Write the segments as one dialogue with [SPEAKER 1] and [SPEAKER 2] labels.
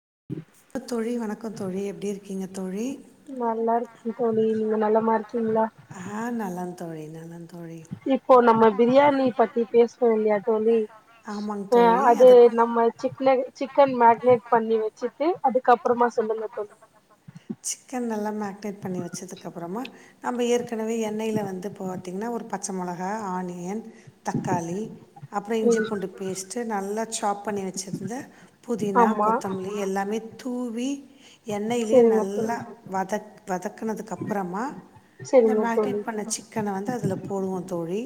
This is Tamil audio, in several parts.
[SPEAKER 1] [inaudible]
[SPEAKER 2] வணக்கம் தோழி வணக்கம் தோழி எப்படி இருக்கீங்க தோழி
[SPEAKER 1] நல்லா இருக்க தோழி நீங்க நல்லா மற்கிங்ளா
[SPEAKER 2] ஆ நலதோழி நலதோழி
[SPEAKER 1] இப்போ நம்ம பிரியாணி பத்தி பேசனோ இல்லையா தோழி
[SPEAKER 2] ஆமாங்க
[SPEAKER 1] ஆ
[SPEAKER 2] தோழி
[SPEAKER 1] அது நம்ம சி சிக்கன் மேரினேட் பண்ணி வச்சுட்டு அதுக்கப்பறமா சொல்லுங்க தோழி
[SPEAKER 2] சிக்கன் நல்லா மேக்னேட் பண்ணி வச்சதுக்கு அப்பறமா நம்ப ஏற்கனவே எண்ணெயில வந்து பாத்திங்கன்னா ஒரு பச்ச மொளகா ஆனியன் தக்காளி அப்றோ இஞ்சி
[SPEAKER 1] ம்
[SPEAKER 2] பூண்டு பேஸ்ட் நல்லா சாப் பண்ணி வச்சிருந்த புதினா
[SPEAKER 1] ஆமா
[SPEAKER 2] கொத்தம்லி எல்லாமே தூவி எண்ணையிலே
[SPEAKER 1] செரிங்க
[SPEAKER 2] நல்லா
[SPEAKER 1] தோழி
[SPEAKER 2] வதக் வதக்குனதுக்கு அப்பறமா இந்த
[SPEAKER 1] செரிங்க தோழி
[SPEAKER 2] மேக்கேட் பண்ண சிக்கன வந்து அதுல போடுவோந் தோழி.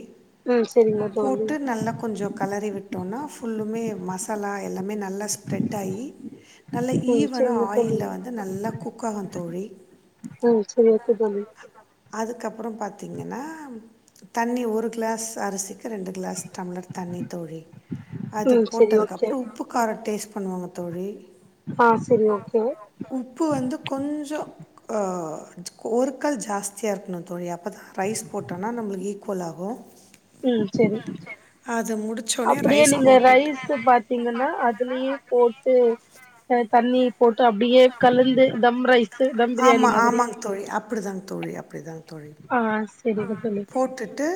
[SPEAKER 1] ம் செரிங்க தோழி
[SPEAKER 2] போட்டு நல்லா கொஞ்சோ கலறி விட்டோன்னா ஃபுல்லுமே மசாலா எல்லாமே ந ல்லா ஸ்ப்ரெட் ஆயி நல்லா
[SPEAKER 1] ம்
[SPEAKER 2] ஈவனா
[SPEAKER 1] செரிங்க தோழி
[SPEAKER 2] ஆயில்ல வந்து நல்லா குக்காகு தோழி.
[SPEAKER 1] ம் செரி ஓகே‌ தோழி.
[SPEAKER 2] அதுக்கப்புறம் பாத்திங்கன்னா தண்ணி ஒரு க்ளாஸ் அரிசிக் ரெண்டு க்ளாஸ் டம்ளர் தண்ணி தோழி. அது
[SPEAKER 1] ம் செரி
[SPEAKER 2] போட்டதுக்கு
[SPEAKER 1] ஓகே
[SPEAKER 2] அப்றோ உப்பு காரோ டேஸ்ட் பண்வாங்க தோழி.
[SPEAKER 1] ஆ செரி ஓகே
[SPEAKER 2] உப்பு வந்து கொஞ்சொ அ ஜ் ஒருக்கல் ஜாஸ் தியா இருக்ணு தோழி அப்ப தா ரைஸ் போட்டனா நம்புளுக்கு ஈக்குவல் ஆகு. அது முடி
[SPEAKER 1] அப்பிடியே நீங்க ரைஸு பாத்திங்கன்னா அதுலியே போட்டு அ தண்ணி போ ட்டு அப்டியே கலந்து தம் ரைஸு தம் பிரியாணி
[SPEAKER 2] ஆமா
[SPEAKER 1] மாதிரி.
[SPEAKER 2] ஆமாங்க தோழி அப்படிதாங்க தோழி அப்படிதாங்க தோழி
[SPEAKER 1] அ ஸ்
[SPEAKER 2] போட்டுட்டு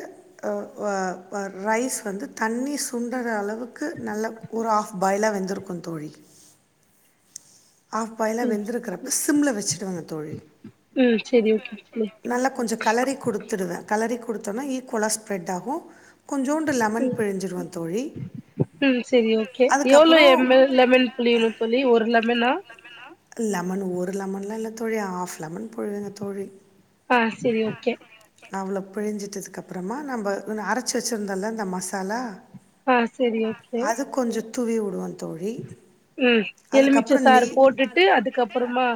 [SPEAKER 2] அ வ வ ரைஸ் வந்து தண்ணி சுண்டற அள வுக்கு நல்ல ஒரு ஆஃப் பாய்லா வெந்திருக்கு தோழி. ஆஃப் பாய்லா
[SPEAKER 1] ம்
[SPEAKER 2] வெந்திருக்கிறப்ப சிம்ல வெச்சுடுவங்க தோழி.
[SPEAKER 1] ம் செரி ஓகே தோழி
[SPEAKER 2] நல்லா கொஞ்சொ களறி குடுத்துடுவே களறி குடுத்தொனா ஈக்வலா ஸ்ப்ரெட் ஆகு. கொஞ்சோண்டு லெமன்
[SPEAKER 1] ம்
[SPEAKER 2] பிழிஞ்சிருவே தோழி.
[SPEAKER 1] ம் செரி ஓகே எவ்ளோ
[SPEAKER 2] அதுக்கப்புறம்
[SPEAKER 1] எம் எல் லெமன் புழியணு தோழி ஒரு லெமனா?
[SPEAKER 2] லெமன் ஒரு லெமன்லா இல்ல தோழி ஆஃப் லெமன் புழிங்க தோழி.
[SPEAKER 1] அ செரி ஓகே.
[SPEAKER 2] அவ்ளோ பிழிஞ்சிட்டதுக்கு அப்றமா நம்ப உன் அரைச்சி வெச்சுருந்தல்ல இந்த மசாலா
[SPEAKER 1] அ செரி ஓகே.
[SPEAKER 2] அது கொஞ்சம் தூவி உடுவந் தோழி.
[SPEAKER 1] ம் எலுமிச்ச
[SPEAKER 2] அதுக்கப்புறம்
[SPEAKER 1] சாறு போட்டுட்டு அதுக்கப்பறமா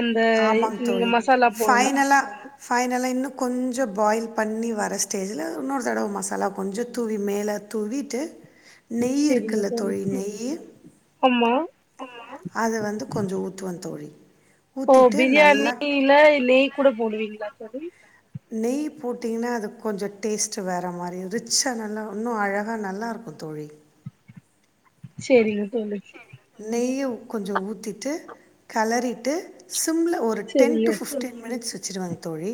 [SPEAKER 1] அந்த
[SPEAKER 2] ஆமாங்
[SPEAKER 1] நீங்க
[SPEAKER 2] தோழி.
[SPEAKER 1] மசாலா போடணு
[SPEAKER 2] ஃபைனலா ஃ பனலா இன்னு கொஞ்சொ பாயில் பண்ணி வர ஸ்டேஜ்ல இன்னொரு தடவ மசாலா கொஞ்சொ தூவி மேல தூ வீட்டு நெய் இருக்குல்ல தோழி நெய்யி
[SPEAKER 1] ஆமா
[SPEAKER 2] அத வந்து கொஞ்சொ ஊத்துவ தோழி.
[SPEAKER 1] ஓ
[SPEAKER 2] ஊற்றிட்டு நல்லா
[SPEAKER 1] பிரியாணில நெய் கூட போடுவிங்ளா தோழி.
[SPEAKER 2] நெய் போட்டிங்கனா அதுக் கொஞ்சொ டேஸ்ட்டு வேற மாரி ரிச்சா நல்லா இன்னு அழகா நல்லாருக்கு தோ ழி.
[SPEAKER 1] செரிங்
[SPEAKER 2] நெய்ய கொஞ்சொ ஊத்திட்டு களறிட்டு சி ம்ல ஒரு டென்
[SPEAKER 1] செரிங்க
[SPEAKER 2] டு ஃபிஃப்டீன் மினிட்ஸ் வெச்ருவங் தோழி.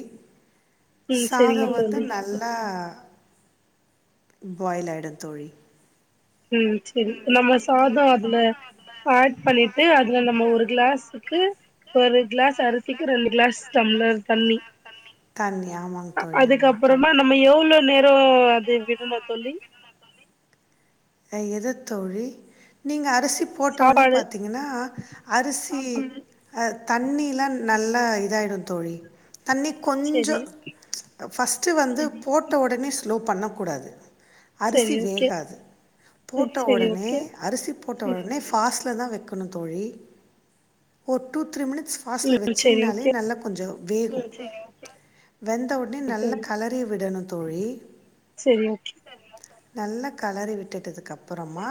[SPEAKER 1] ம்
[SPEAKER 2] சாதோ
[SPEAKER 1] செரிங்க
[SPEAKER 2] வந்து
[SPEAKER 1] தோழி
[SPEAKER 2] நல்லா பாய்ல் ஆய்டுந் தோழி.
[SPEAKER 1] ம் செரி நம்ம சாதோ அதுல ஏட் பண்ணிட்டு அதுல நம்மொ ஒரு கிளாஸுக்கு ஒரு க்ளாஸ் அரிசிக்கு ரெண்டு க்ளாஸ் டம்ளர் தண்ணி
[SPEAKER 2] தண்ணி ஆமாங்க
[SPEAKER 1] அ
[SPEAKER 2] தோழி
[SPEAKER 1] அதுக்கப்
[SPEAKER 2] ஆமாங்க
[SPEAKER 1] புறமா நம்ம எவ்ளோ நேரோ
[SPEAKER 2] தோழி
[SPEAKER 1] அது விடணு தோழி?
[SPEAKER 2] எதத்தோழி நீங்க அரிசி போட்டவுனே
[SPEAKER 1] சாப்பாடு
[SPEAKER 2] பாத்திங்கனா அரிசி இ அ தண்ணிலா நல்லா இதாயிடு தோழி. தண்ணி கொஞ்சோ
[SPEAKER 1] செரி
[SPEAKER 2] ஃபஸ்ட்டு வந்து போட்ட ஒடனே ஸ்லோ பண்ணக்கூடாது அரிசி
[SPEAKER 1] செரி ஓகே
[SPEAKER 2] வேகாது. போட்ட
[SPEAKER 1] செரி
[SPEAKER 2] ஒடனே
[SPEAKER 1] ஓகே
[SPEAKER 2] அரிசி போட்ட உடனே ஃபாஸ்ட்ல தா வெக்கணு தோழி ஒ டூ த்ரீ மினி ட்ஸ் ஃபாஸ்ட்ல
[SPEAKER 1] ம் செரி
[SPEAKER 2] வெச்சிங்னாளே
[SPEAKER 1] ஓகே
[SPEAKER 2] நல்லா கொஞ்சொ வேகு. வெந்த உட்னே நல்லா
[SPEAKER 1] தோழி
[SPEAKER 2] களறி விடணு தோழி.
[SPEAKER 1] செரி ஓகே
[SPEAKER 2] நல்லா களறி விட்டடுதுக்கு அப்புறமா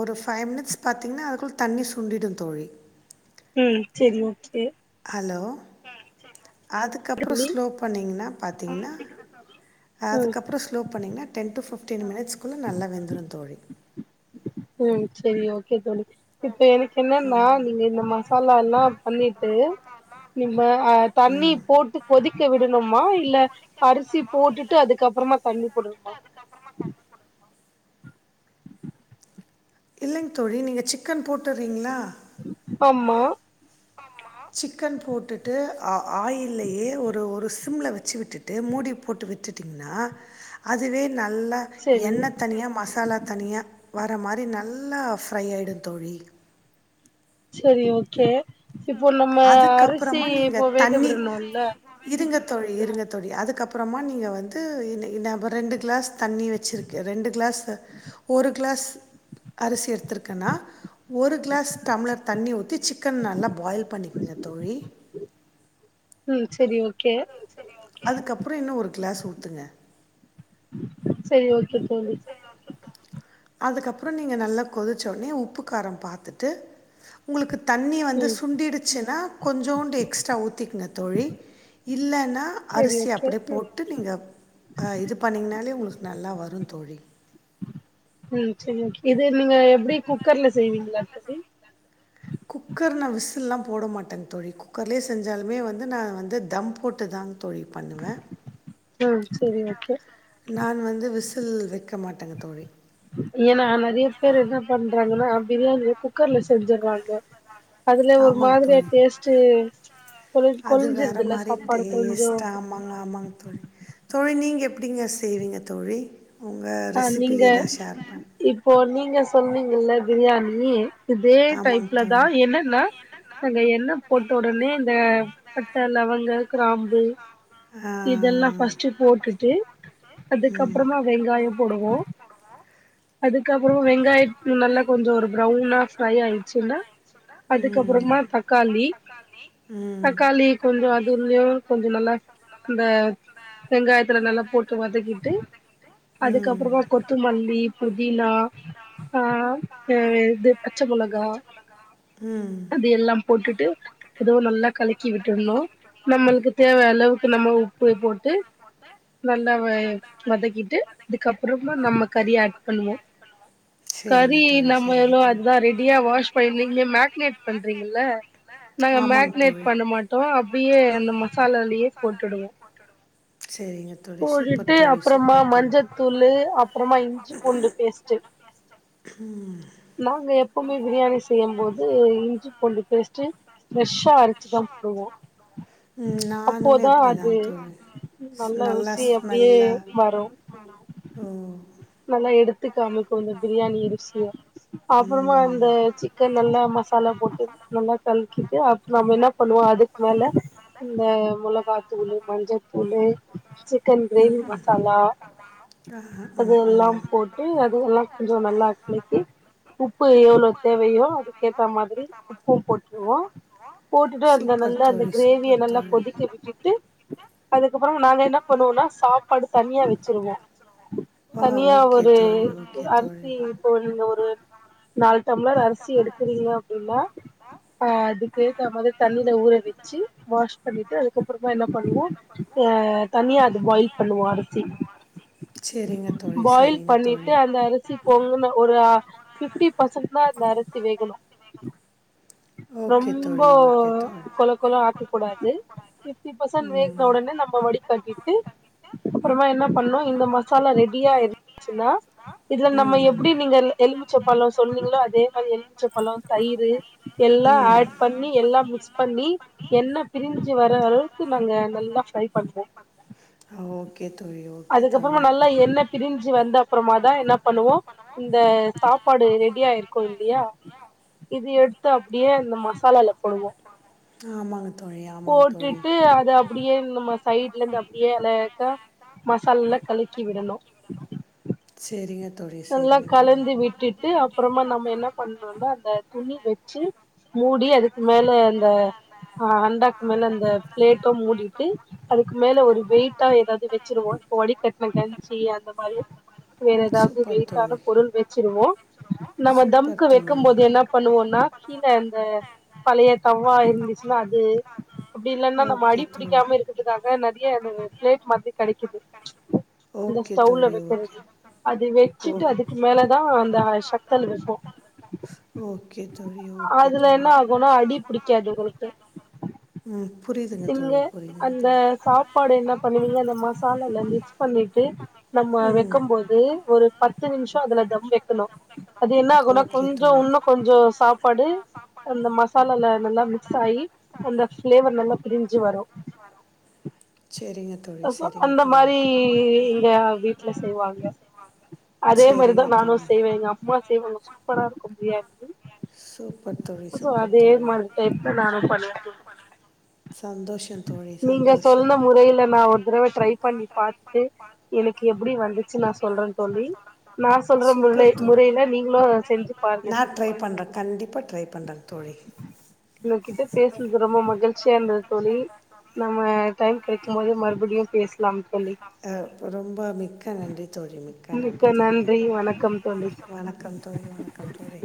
[SPEAKER 2] ஒரு ஃபைவ் மினிட்ஸ் பாத்தீங்ன்னா அதுக்குள்ள தண்ணி சுண்டிடு தோழி
[SPEAKER 1] ம் செரி ஓகே
[SPEAKER 2] அலோ அதுக்கப்றோ
[SPEAKER 1] தோழி
[SPEAKER 2] ஸ்லோ பண்ணிங்கணா பாத்தீங்ணா
[SPEAKER 1] ம்
[SPEAKER 2] அதுக்கப்றோ ஸ்லோ பண்ணிங்னா டென் டு ஃபிப்டீன் மினிட்ஸ்குள்ள நல்லா வெந்துரு தோழி
[SPEAKER 1] ம் செரி ஓகே தோழி இப்ப எனக்
[SPEAKER 2] ஆ
[SPEAKER 1] என்னன்னா நீங்க இந்த மசாலா எல்லா பண்ணிட்டு இல்ல அ தண்ணி
[SPEAKER 2] ம்
[SPEAKER 1] போட்டு கொதிக்க விடணுமா இல்ல அரிசி போட்டுட்டு அதுக்கப்புறமா தண்ணி போடுனுமா
[SPEAKER 2] இல்லங் தோழி நீங்க சிக்கன் போட்டுறீங்ளா
[SPEAKER 1] ஆமா
[SPEAKER 2] சிக்கன் போட்டுட்டு ஆயில்லயே ஒரு ஒரு சி சிம்ல வச்சு விட்டுட்டு மூடி போட்டு விட்டுட்டீங்னா அதுவே நல்லா
[SPEAKER 1] செரி
[SPEAKER 2] எண்ணெ தனியா மசாலா தனியா வர மாரி நல்லா ஃப்ரை ஆயிடு தோழி
[SPEAKER 1] செரி ஓகே இப்போ நம்ம அரிசி
[SPEAKER 2] அதுக்கப்புறமா நீங்க
[SPEAKER 1] இப்போ
[SPEAKER 2] தண்ணி
[SPEAKER 1] வேகவிடணுல
[SPEAKER 2] இருங்க தோழி இருங்க தோழி அதுக் அப்றமா நீங்க வந்து இந் இந்தாப்ப ரெண்டு கிளாஸ் தண்ணி வச்ருக்கே ரெண்டு கிளாஸ் கிளாஸ் ஒரு கிளாஸ் அரிசி எடுத்ருக்கனா ஒரு கிளாஸ் டம்ளர் தண்ணி ஊத்தி சிக்கன் நல்லா பாயில் பண்ணிக்குங்க தோழி
[SPEAKER 1] ம் செரி ஓக்
[SPEAKER 2] அதுக்கப்றோ இன்னு ஒரு கிளாஸ் ஊத்துங்க
[SPEAKER 1] செரி ஓகே தோழி
[SPEAKER 2] அதுக்கப்றோ நீங்க நல்லா கொதிச்சோனே உப்பு காரம் பாத்துட்டு உங்களுக்கு தண்ணி வந்து
[SPEAKER 1] ம்
[SPEAKER 2] சுண்டீடுச்சுனா கொஞ்சோண்டு எக்ஸ்ட்ரா ஊத்திக்ங்க தோழி இல்லனா
[SPEAKER 1] சரி
[SPEAKER 2] அரிசி
[SPEAKER 1] ஓகே
[SPEAKER 2] அப்டியே போட்டு நீங்க இது பண்ணீங்னாலே உங்களுக் நல்லா வரு தோழி
[SPEAKER 1] ம் செரி ஓகே இது நீங்க எப்டி குக்கர்ல செய்வீங்ளா தோழி
[SPEAKER 2] குக்கர் நா விசில்லா போட மாட்டே தோழி குக்கர்லயே செஞ்சாலுமே வந்து நா வந்து தம் போட்டு தா ன் தோழி பண்ணுவே
[SPEAKER 1] ம் செரி ஓகே
[SPEAKER 2] நான் வந்து விசில் வக்க மாட்டேங்க தோழி
[SPEAKER 1] ஏனா நெறைய பேர் என்ன பண்றாங்கனா பிரியாணிய குக்கர்ல செஞ்சுறாங்க அதுல ஒரு
[SPEAKER 2] ஆமாங்க
[SPEAKER 1] மாதிரியா
[SPEAKER 2] தோழி
[SPEAKER 1] டேஸ்ட் கொல
[SPEAKER 2] அது வேற
[SPEAKER 1] கொலஞ்சிருதுல்ல
[SPEAKER 2] மாரி
[SPEAKER 1] சாப்பாடு கொஞ்சோ
[SPEAKER 2] டேஸ்டா ஆமாங்க ஆமாங் தோழி தோழி நீங்க எப்டிங்க செய்வீங்க தோழி உங்க
[SPEAKER 1] அ
[SPEAKER 2] ரெசிபி
[SPEAKER 1] நீங்க
[SPEAKER 2] எதா ஷேர் பண்
[SPEAKER 1] இப்போ நீங்க சொன்னீங்ல்ல பிரியாணி இதே
[SPEAKER 2] ஆமாங்க
[SPEAKER 1] டைப்ல தா
[SPEAKER 2] தோழி.
[SPEAKER 1] என்னனா நாங்க எண்ணே போட்ட உடனே இந்த பட்ட லவ லவங்க கிராம்பு
[SPEAKER 2] ஆ
[SPEAKER 1] இதெல்லா ஃபஸ்ட் போட்டுட்டு
[SPEAKER 2] ம்
[SPEAKER 1] அதுக்கப்புறமா வெங்காய போடுவோ ஓ அதுக்கப்புறம் வெங்காயம் நல்லா கொஞ்ச ஒரு ப்ரௌனா ஃப்ரை ஆயிடுச்சுனா
[SPEAKER 2] ம்
[SPEAKER 1] அதுக்கப்புறமா தக்காளி
[SPEAKER 2] ம் ம்
[SPEAKER 1] தக்காளி கொஞ்ச அதுலயு கொஞ்ச நல்லா இந்த வெங்காயத்துல நல்லா போட்டு வதக்கிட்டு
[SPEAKER 2] ம்
[SPEAKER 1] அதுக்கப்றமா கொத்தமல்லி புதினா ஆ இது பச்ச மிளகா அது எல்லா போட்டுட்டு அதுவு நல்லா கலக்கி விட்டுறணு நம்ளுக்கு தேவை அளவுக்கு நம்ம உப்பு போட்டு நல்லா வ வதக்கிட்டு அதுக்கப்றமா நம்ம கறி ஆட் பண்ணுவோ
[SPEAKER 2] சேரிங்க
[SPEAKER 1] கறி
[SPEAKER 2] தோழி,
[SPEAKER 1] நம்ம
[SPEAKER 2] சேரிங்க
[SPEAKER 1] எவ்ளோ
[SPEAKER 2] தோழி.
[SPEAKER 1] அதுதா ரெடியா வாஷ் பண்ணீ நீங்க மேக்னேட் பண்றீங்ல நாங்க
[SPEAKER 2] ஆமாங்க
[SPEAKER 1] மேக்னேட்
[SPEAKER 2] தோழி.
[SPEAKER 1] பண்ண மாட்டோ அப்டியே அந்த மசாலாலயே போட்டுடுவோ
[SPEAKER 2] சேரிங்க தோழி சூப்பர் தோழி சூப்பர் தோழி
[SPEAKER 1] துள்ளு அப்றமா இஞ்சி பூண்டு பேஸ்ட்டு
[SPEAKER 2] ம்
[SPEAKER 1] எப்போமே பிரியாணி செய்யம் போது இஞ்சி பூண்டு பேஸ்ட்டு ஃப்ரெஷ்ஷா அரச்சுதா போடுவோ
[SPEAKER 2] ம் நானுமே
[SPEAKER 1] அப்போதா
[SPEAKER 2] அப்டிதா
[SPEAKER 1] அது
[SPEAKER 2] தோழி
[SPEAKER 1] நல்ல
[SPEAKER 2] நல்லா
[SPEAKER 1] ருசி அப்டியே
[SPEAKER 2] ஸ்மெல்லா
[SPEAKER 1] வரு
[SPEAKER 2] ம்
[SPEAKER 1] நல்லா எடுத்து காமிக்கு இந்த பிரியாணி அரிசிய அப்றமா அந்த
[SPEAKER 2] ம்.
[SPEAKER 1] சிக்கன் நல்லா ம மசாலா போட்டு நல்லா கலக்கிட்டு அ நம்ம என்ன பண்ணுவோ அதுக்கு மேல இந்த மொளகாத்தூளு மஞ்சள்த்தூளு தென் கிரேவி மசாலா
[SPEAKER 2] ஆ ஆ
[SPEAKER 1] அது
[SPEAKER 2] ஆ
[SPEAKER 1] எல்லாம் போட்டு அது எல்லா கொஞ்சோ நல்லா கலக்கி உப்பு எவ்ளோ தேவையோ அதுக்க ஏத்த மாதிரி உப்பு போட்ருவோ போட்டுட்டு அந்த
[SPEAKER 2] சூப்பர்
[SPEAKER 1] நல்லா அந்த
[SPEAKER 2] தோழி
[SPEAKER 1] கிரேவிய
[SPEAKER 2] சூப்பர்
[SPEAKER 1] நல்லா
[SPEAKER 2] தோழி
[SPEAKER 1] கொதிக்க விட்டுட்டு அதுக்கப்ப நாங்க என்ன பண்ணுவோனா சாப்பாடு தனியா வச்சிருவோ
[SPEAKER 2] ஆ
[SPEAKER 1] தனியா
[SPEAKER 2] ஓகே
[SPEAKER 1] ஒரு
[SPEAKER 2] தோழி ஓகே தோழி
[SPEAKER 1] அரிசி போல் ஒரு நாலு டம்ளர் அரிசி எடுக்குறீங்க அப்டின்னா அ அதுக்கு ஏத்த மாதி தண்ணில ஊற வச்சு வாஷ் பண்ணிட்டு அதுக்கப்றமா என்ன பண்ணுவோ அ தனியா அது பாயில் பண்ணுவோ [unintelligible]
[SPEAKER 2] சேரிங்க தோழி
[SPEAKER 1] பாயில்
[SPEAKER 2] சரிங்க
[SPEAKER 1] பண்ணிட்டு
[SPEAKER 2] தோழி
[SPEAKER 1] அந்த அரிசி பொங்குன ஒரு பிப்டி பர்சன்ட் தா அந்த அரிசி வேகணு
[SPEAKER 2] ஓகே தோழி
[SPEAKER 1] ரொம்போ
[SPEAKER 2] ஓகே தோழி
[SPEAKER 1] கொல கொல ஆக்க கூடாது பிப்டி பர்சன்ட் வேகன
[SPEAKER 2] ம்
[SPEAKER 1] ஒடனே நம்ம வடி கட்டிட்டு அப்றமா என்ன பண்ணோ இந்த ம ரெடியாயி சின்னா இதுல நம்ம
[SPEAKER 2] ம் ம்
[SPEAKER 1] எப்டி நீங்க எலுமிச்சப்பழோ சொன்னீங்களோ அதே மாரி எலுமிச்சப்பழோ தய் யிரு இது எல்லா அட் பண்ணி எல்லா மிக்ஸ் பண்ணி என்ன பிரிஞ்சு வர து நாங்க நல்லா ஃப்ரை பண்ணுவோ
[SPEAKER 2] ஓகே தோழி ஓகே
[SPEAKER 1] அதுக்கப்றமா
[SPEAKER 2] தோழி
[SPEAKER 1] நல்லா எண்ணெ பிரிஞ்சு வந்த அப்றமாதா என்ன பண்ணுவோ இந்த சாப் பாடு ரெடியாயிருக்கு இல்லையா இது எடுத்து அப்டியே இந்த மசா மசாலா ல போடுவோ
[SPEAKER 2] ஆமாங்க தோழி ஆமாங்க
[SPEAKER 1] போட்டுட்டு
[SPEAKER 2] தோழி
[SPEAKER 1] அத அப்டியே நம்ம சைட்ல இந்து அப் ஏலேக்கா மசாலால்ல கழக்கி விடணு
[SPEAKER 2] சேரிங்க
[SPEAKER 1] நல்லா கலந்து விட்டுட்டு அப்புறமா நம்ம என்ன பண்ணோனா அந்த துணி வச்சு மூடி அதுக்கு மேல இந்த ஆ அண்டாக்கு மேல அந்த பிளேட்டோ மூடிட்டு அதுக்கு மேல ஒரு வெயிட்டா ஏதாது வச்சிருவோ வடி கட்டுன கஞ்சி அந்த மாதிரி வேற ஏதா வது
[SPEAKER 2] சூப்பர்
[SPEAKER 1] வெய்ட்டான
[SPEAKER 2] தோழி
[SPEAKER 1] பொருள் வச்சிருவோ நம்ம
[SPEAKER 2] சூப்பர்
[SPEAKER 1] தம்க்கு
[SPEAKER 2] தோழி
[SPEAKER 1] வைக்கும்போது என்ன பண்ணுவோனா கீழ அந்த பழைய தவ்வா இருந்துச்சுனா அது அப்டி இல்லாந்தா நம்ம
[SPEAKER 2] ஓகே
[SPEAKER 1] அடி
[SPEAKER 2] தோழி
[SPEAKER 1] புடிக்காம இருக்கிறதுக்காக நெறைய பிளேட் மாதிரி கெடைக்குது இந்த
[SPEAKER 2] ஓகே
[SPEAKER 1] ஸ்டவ்ல
[SPEAKER 2] தோழி ஓகே
[SPEAKER 1] வைக்கிறது அதுவே
[SPEAKER 2] ஓ
[SPEAKER 1] வச்சிட்டு அதுக்கு மேலதா அந்த சக்தல் வைப்போ
[SPEAKER 2] ஓகே தோழி ஓகே
[SPEAKER 1] அதுல என்ன
[SPEAKER 2] தோழி
[SPEAKER 1] ஆகும்னா அடி புடிக்காது உங்களுக்கு
[SPEAKER 2] ம் புரியுதுங்க
[SPEAKER 1] நீங்க
[SPEAKER 2] தோழி புரியுதுங்க
[SPEAKER 1] அந்த
[SPEAKER 2] தோழி
[SPEAKER 1] சாப்பாடு என்ன பண்ணுவீங்க அந்த மசாலால மிக்ஸ் பண்ணிட்டு நம்ம
[SPEAKER 2] ம்
[SPEAKER 1] வைக்கும் போது ஒரு பத்து நிமிஷோ அதுல தம் வைக்கணு அது என்ன ஆகுனா
[SPEAKER 2] ஓகே
[SPEAKER 1] கொஞ்சோ
[SPEAKER 2] தோழி
[SPEAKER 1] உன்னு கொஞ்சோ சாப் பாடு அந்த மசாலால நல்லா மிக்ஸ் ஆயி அந்த ஃப்ளேவர் நல்லா பிரிஞ்சு வரு
[SPEAKER 2] சரிங்க தோழி
[SPEAKER 1] சோ
[SPEAKER 2] சரிங்க
[SPEAKER 1] அந்த
[SPEAKER 2] தோழி
[SPEAKER 1] மாரி எங்க வீட்ல செய்வாங்க அதே மாதிரிதா
[SPEAKER 2] சரிங்க
[SPEAKER 1] நானு
[SPEAKER 2] தோழி
[SPEAKER 1] செய்வ எங்க அம்மா செய்வாங்க சூப்பரா இருக்கு பிரியாணி
[SPEAKER 2] சூப்பர் தோழி
[SPEAKER 1] ஸோ
[SPEAKER 2] சூப்பர்
[SPEAKER 1] அதே
[SPEAKER 2] தோழி
[SPEAKER 1] மாரி டேஸ்ட் ல நானு பண்ணுவ ப்ரோ
[SPEAKER 2] சந்தோஷோ தோழி சந்தோஷோ
[SPEAKER 1] முறையில நா ஒரு தடவ ட்ரை பண்ணி பாத்துட்டு எனக்கு எப்டி வந்துச்சு நா சொல்ற தோழி நா சொல்ற முல்லை
[SPEAKER 2] சூப்பர் தோழி
[SPEAKER 1] முறைல நீங்களு செஞ்சு பாருங்க தோழி
[SPEAKER 2] கண்டிப்பா ட்ரை பண்
[SPEAKER 1] உங்ககிட்ட பேசுனது ரொம்ப மகிழ்ச் சியா இந்தது தோழி நம்ம டைம் கிடைக்கும் போது மறுபடியு பேசலாம் தோழி
[SPEAKER 2] அ ரொம்ப மிக்க நன்றி தோழி மிக்க நன்றி தோழி வணக்கம் தோழி வணக்கம் தோழி